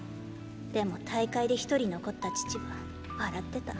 でも大会でひとり残った父は笑ってた。